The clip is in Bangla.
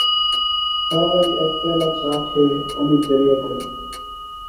তাড়াতাড়ি এক পেয়ালা চা খেয়ে অমিত বেরিয়ে পড়ল।